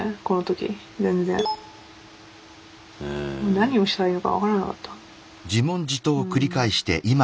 何をしたらいいのか分からなかった。